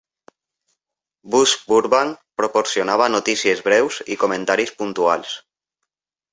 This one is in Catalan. Buzz Burbank proporcionava notícies breus i comentaris puntuals.